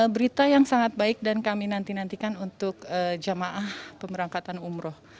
berita yang sangat baik dan kami nantikan untuk jemaah pemberangkatan umroh